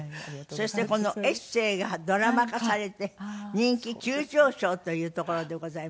そしてこのエッセーがドラマ化されて人気急上昇というところでございます。